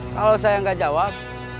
kalau saya nggak jawab